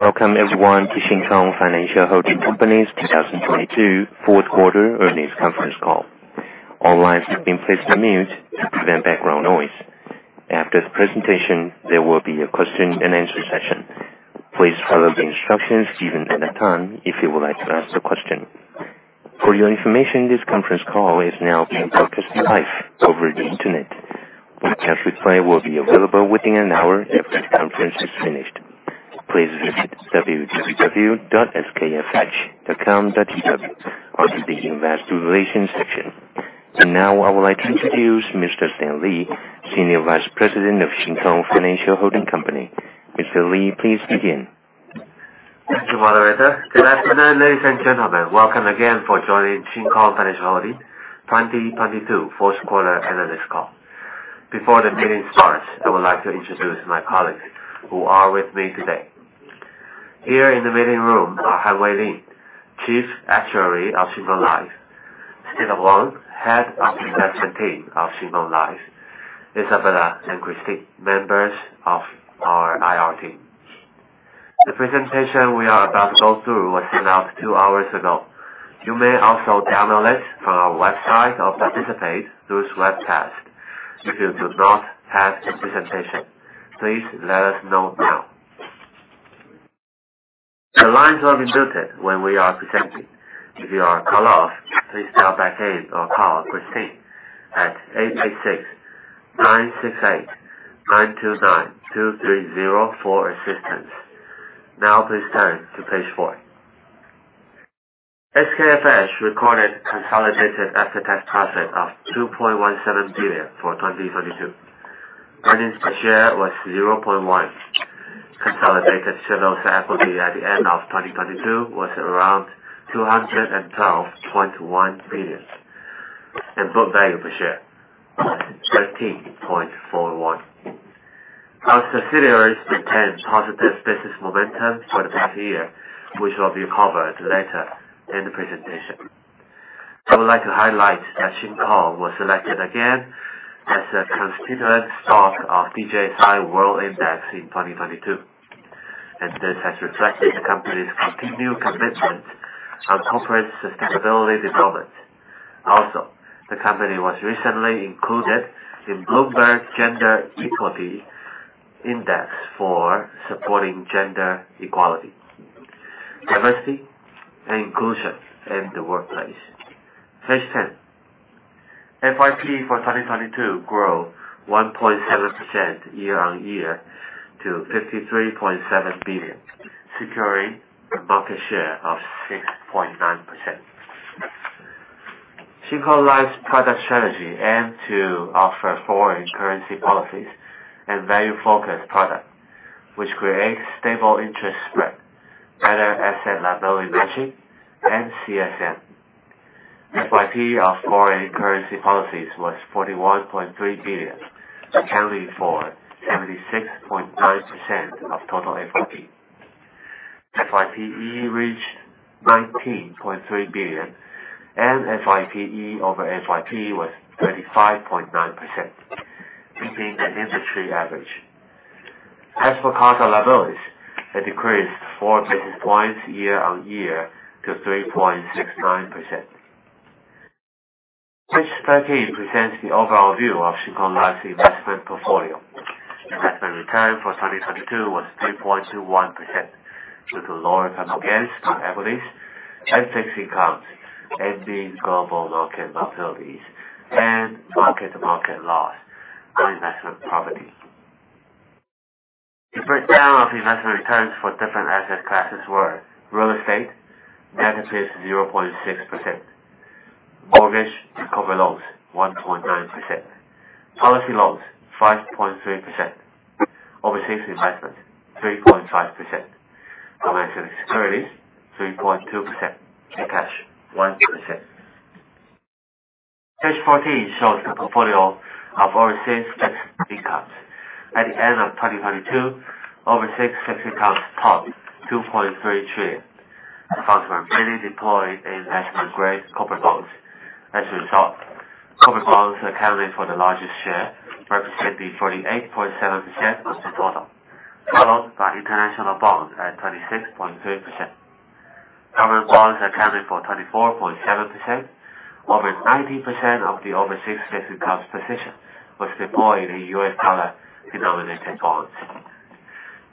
Welcome everyone to Shin Kong Financial Holding Company's 2022 Q4 earnings conference call. All lines have been placed on mute to prevent background noise. After the presentation, there will be a question and answer session. Please follow the instructions given at that time if you would like to ask a question. For your information, this conference call is now being broadcast live over the Internet. A test replay will be available within an hour after the conference is finished. Please visit www.skfh.com.tw under the investor relations section. Now I would like to introduce Mr. Scott Lee, Senior Vice President of Shin Kong Financial Holding Company. Mr. Lee, please begin. Thank you, moderator. Good afternoon, ladies and gentlemen. Welcome again for joining Shin Kong Financial Holding 2022 f Q4 analyst call. Before the meeting starts, I would like to introduce my colleagues who are with me today. Here in the meeting room are Han-Wei Lien, Chief Actuary of Shin Kong Life, Sidney Wang, Head of Investment Team of Shin Kong Life, Isabella and Christine, members of our IR team. The presentation we are about to go through was sent out two hours ago. You may also download it from our website or participate through this webcast. If you do not have the presentation, please let us know now. The lines will be muted when we are presenting. If you are cut off, please dial back in or call Christine at 886968929230 for assistance. Now please turn to page four. SKFH recorded consolidated after-tax profit of 2.17 billion for 2022. Earnings per share was 0.1. Consolidated shareholders' equity at the end of 2022 was around 212.1 billion. Book value per share, 13.41. Our subsidiaries maintained positive business momentum for the past year, which will be covered later in the presentation. I would like to highlight that Shin Kong was selected again as a constituent stock of DJSI World Index in 2022, and this has reflected the company's continued commitment on corporate sustainability development. Also, the company was recently included in Bloomberg Gender-Equality Index for supporting gender equality, diversity, and inclusion in the workplace. Page 10. FYP for 2022 grow 1.7% year-on-year to 53.7 billion, securing a market share of 6.9%. Shin Kong Life product strategy aim to offer foreign currency policies and value-focused product which create stable interest spread, better asset liability matching, and CSM. FYP of foreign currency policies was 41.3 billion, accounting for 76.9% of total FYP. FYPE reached 19.3 billion, and FYPE over FYP was 35.9%, beating the industry average. As for cost of liabilities, it decreased four basis points year-on-year to 3.69%. Page 13 presents the overall view of Shin Kong Life's investment portfolio. Investment return for 2022 was 3.21% due to lower capital gains from equities and fixed incomes amid global market volatility and mark-to-market loss on investment property. The breakdown of investment returns for different asset classes were real estate, net of fees, 0.6%. Mortgage recovery loans, 1.9%. Policy loans, 5.3%. Overseas investments, 3.5%. Domestic securities, 3.2%. Cash, 1%. Page 14 shows the portfolio of overseas fixed incomes. At the end of 2022, overseas fixed income topped 2.3 trillion. Funds were mainly deployed in investment-grade corporate bonds. As a result, corporate bonds accounted for the largest share, representing 48.7% of the total, followed by international bonds at 26.3%. Government bonds accounted for 24.7%. Over 19% of the overseas fixed incomes position was deployed in US dollar-denominated bonds.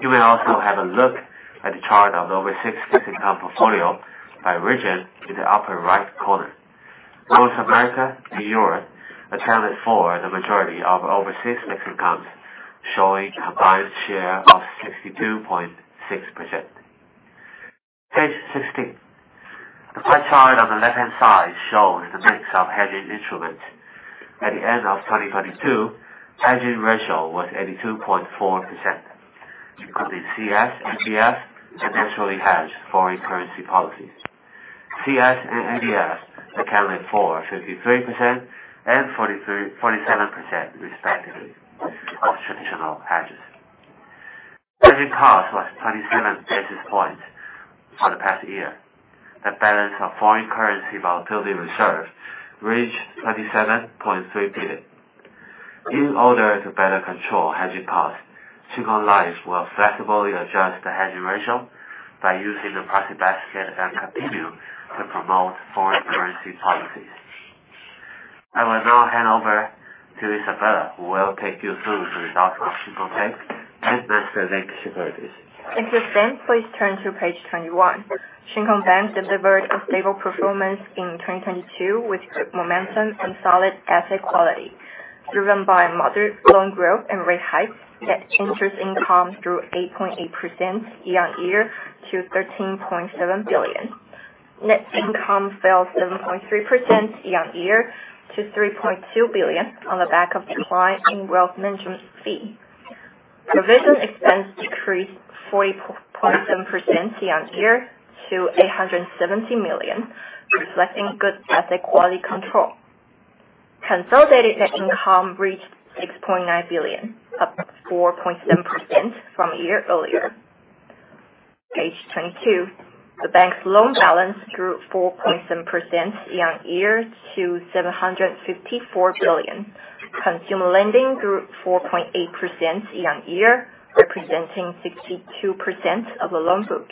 You may also have a look at the chart of the overseas fixed income portfolio by region in the upper right corner. North America and Europe accounted for the majority of overseas fixed incomes, showing combined share of 62.6%. Page 16. The pie chart on the left-hand side shows the mix of hedging instruments. At the end of 2022, hedging ratio was 82.4%, including CS, MBS, and naturally hedged foreign currency policies. CS and MBS accounted for 53% and 47% respectively of traditional hedges. Hedging cost was 27 basis points for the past year. The balance of Foreign Currency Volatility Reserve reached 27.3 billion. In order to better control hedging paths, Shin Kong Life will flexibly adjust the hedging ratio by using the proxy basket and continue to promote foreign currency policies. I will now hand over to Isabella, who will take you through the results of Shin Kong Bank and MasterLink Securities. Thank you, Scott. Please turn to page 21. Shin Kong Bank delivered a stable performance in 2022 with good momentum and solid asset quality. Driven by moderate loan growth and rate hikes, net interest income grew 8.8% year-on-year to 13.7 billion. Net income fell 7.3% year-on-year to 3.2 billion on the back of decline in wealth management fee. Provision expense decreased 40.7% year-on-year to 870 million, reflecting good asset quality control. Consolidated net income reached 6.9 billion, up 4.7% from a year earlier. Page 22. The bank's loan balance grew 4.7% year-on-year to 754 billion. Consumer lending grew 4.8% year-on-year, representing 62% of the loan book.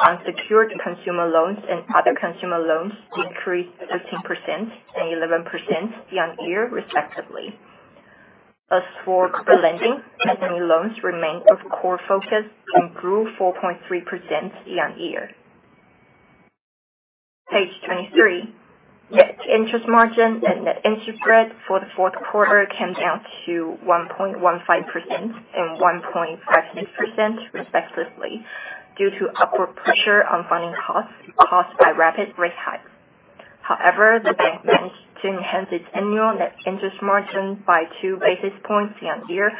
Unsecured consumer loans and other consumer loans decreased 13% and 11% year-on-year respectively. For lending, technical loans remained a core focus and grew 4.3% year-on-year. Page 23. Net Interest Margin and Net Interest Spread for the Q4 came down to 1.15% and 1.56% respectively, due to upward pressure on funding costs caused by rapid rate hikes. However, the bank managed to enhance its annual Net Interest Margin by 2 basis points year-on-year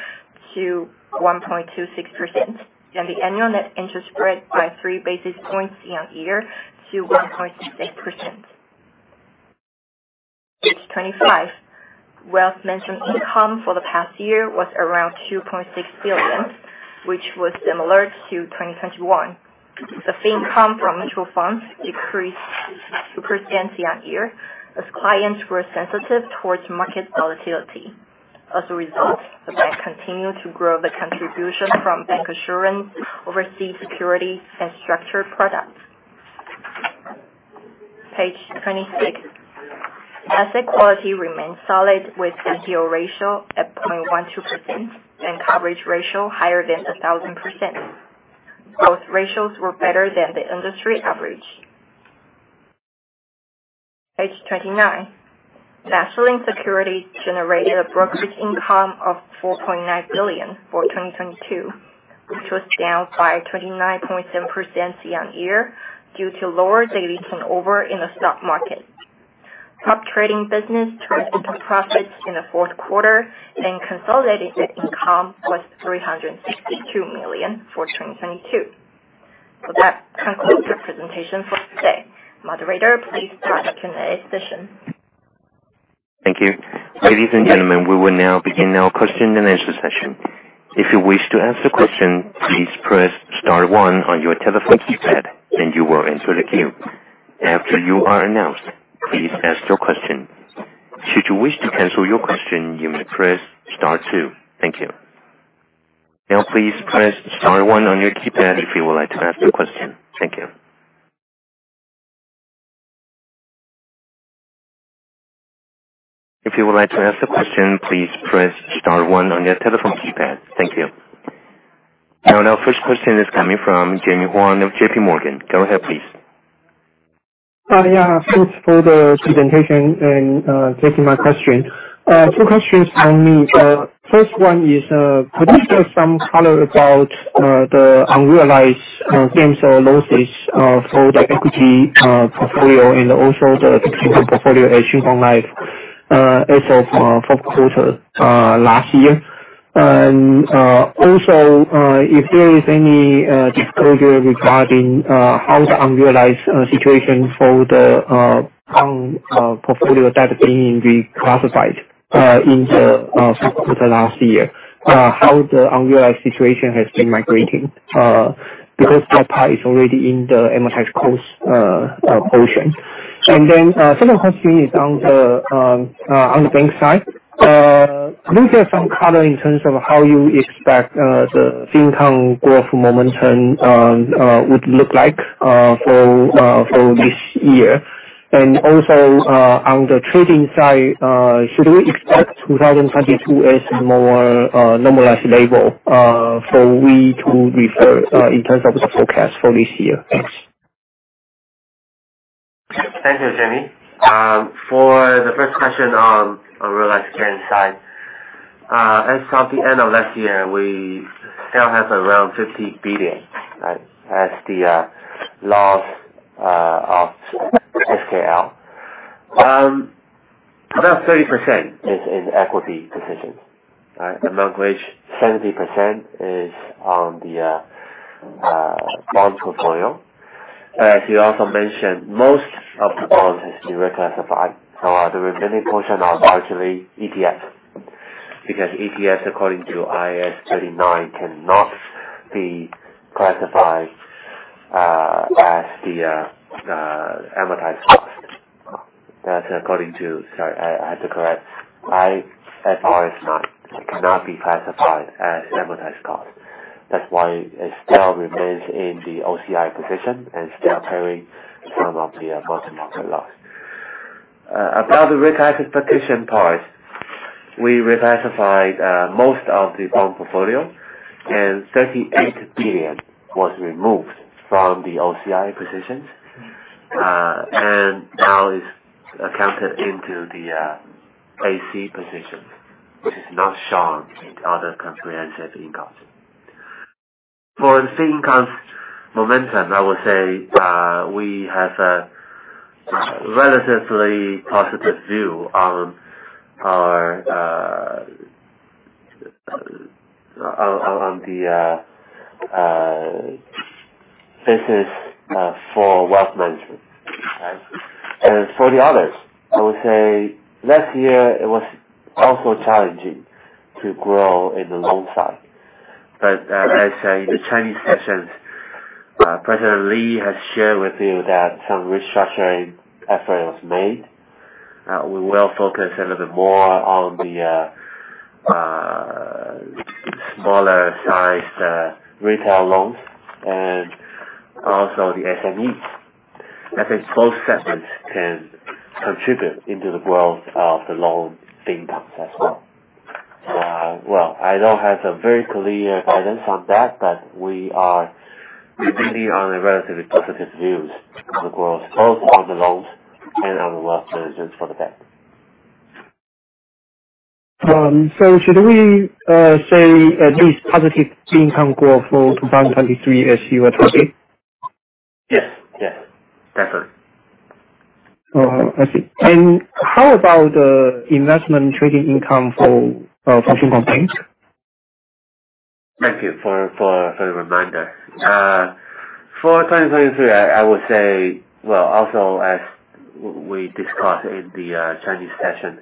to 1.26% and the annual Net Interest Spread by three basis points year-on-year to 1.68%. Page 25. Wealth management income for the past year was around 2.6 billion, which was similar to 2021. The fee income from mutual funds decreased 2% year-on-year as clients were sensitive towards market volatility. As a result, the bank continued to grow the contribution from bank insurance, overseas security and structured products. Page 26. Asset quality remained solid with the NPL ratio at 0.12% and coverage ratio higher than 1,000%. Both ratios were better than the industry average. Page 29. National Securities generated a brokerage income of 4.9 billion for 2022, which was down by 29.7% year-on-year due to lower daily turnover in the stock market. Prop trading business turned to profit in the Q4 and consolidated net income was TWD 362 million for 2022. That concludes the presentation for today. Moderator, please start the Q&A session. Thank you. Ladies and gentlemen, we will now begin our question and answer session. If you wish to ask a question, please press star one on your telephone keypad and you will enter the queue. After you are announced, please ask your question. Should you wish to cancel your question, you may press star two. Thank you. Now please press star one on your keypad if you would like to ask a question. Thank you. If you would like to ask a question, please press star one on your telephone keypad. Thank you. Now, our first question is coming from Jenny Huang of JPMorgan. Go ahead, please. Yeah, thanks for the presentation and taking my question. Two questions from me. First one is, could you share some color about the unrealized gains or losses for the equity portfolio and also the fixed income portfolio at Shin Kong Life, as of Q4 last year? Also, if there is any disclosure regarding how the unrealized situation for the Hong portfolio that being reclassified in the Q4 last year, how the unrealized situation has been migrating, because that part is already in the amortized cost portion. Second question is on the bank side. Can you share some color in terms of how you expect the Shin Kong growth momentum would look like for this year? Also, on the trading side, should we expect 2022 as more normalized level for we to refer in terms of the forecast for this year? Thanks. Thank you, Jenny. For the first question on unrealized gain side, as of the end of last year, we still have around 50 billion, right, as the loss of SKL. About 30% is in equity positions, right? Among which 70% is on the bond portfolio. As you also mentioned, most of the bonds has been reclassified. The remaining portion are largely ETFs because ETFs, according to IAS 39, cannot be classified as the amortized cost. IFRS 9 cannot be classified as amortized cost. That's why it still remains in the OCI position and still carrying some of the mark-to-market loss. About the reclassification part, we reclassified most of the bond portfolio, and 38 billion was removed from the OCI positions and now is accounted into the AC positions, which is not shown in other comprehensive income. For the same accounts momentum, I would say we have a relatively positive view on our business for wealth management. For the others, I would say last year it was also challenging to grow in the loan side. As the Chinese sessions, Scott Lee has shared with you that some restructuring effort was made. We will focus a little bit more on the smaller sized retail loans and also the SMEs. I think both segments can contribute into the growth of the loan income as well. Well, I don't have a very clear guidance on that, but we are maintaining on a relatively positive view on the growth both on the loans and on the wealth management for the bank. Should we, say at least positive income growth for 2023 as your target? Yes. Yes. Definitely. Oh, I see. How about the investment trading income for Shin Kong Bank? Thank you for the reminder. For 2023, I would say. Well, also as we discussed in the Chinese session,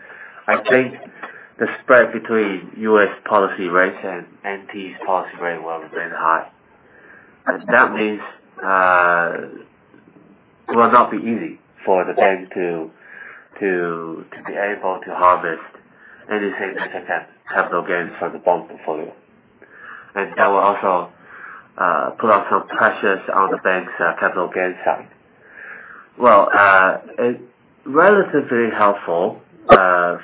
I think the spread between US policy rates and NT's policy rate will remain high. That means, it will not be easy for the bank to be able to harvest anything like capital gains from the bond portfolio. That will also put out some pressures on the bank's capital gains side. Well, relatively helpful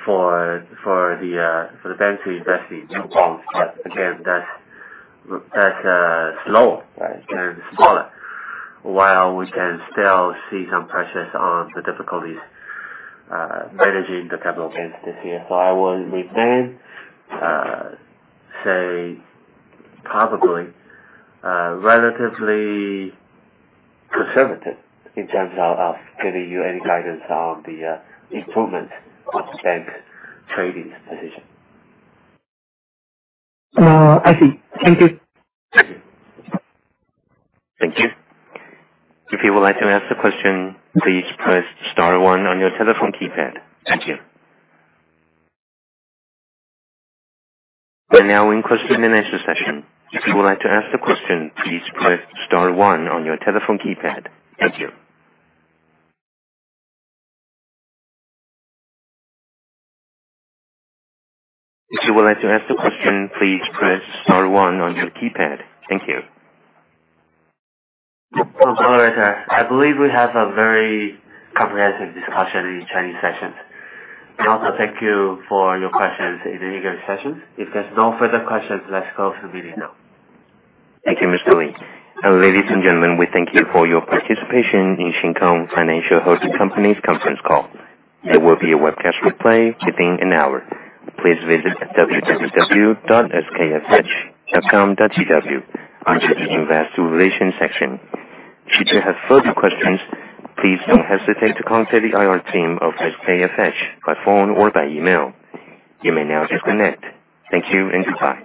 for the bank to invest in new bonds. Again, that's slow and smaller. While we can still see some pressures on the difficulties managing the capital gains this year. I will remain say probably relatively conservative in terms of giving you any guidance on the improvement of bank trading position. I see. Thank you. Thank you. Thank you. If you would like to ask the question, please press star one on your telephone keypad. Thank you. We are now in question and answer session. If you would like to ask the question, please press star one on your telephone keypad. Thank you. If you would like to ask the question, please press star one on your keypad. Thank you. I believe we have a very comprehensive discussion in Chinese sessions. Thank you for your questions in the English sessions. If there's no further questions, let's close the meeting now. Thank you, Mr. Lee. Ladies and gentlemen, we thank you for your participation in Shin Kong Financial Holding Company's conference call. There will be a webcast replay within an hour. Please visit www.skfh.com.tw under the Investor Relations section. Should you have further questions, please don't hesitate to contact the IR team of SKFH by phone or by email. You may now disconnect. Thank you and goodbye.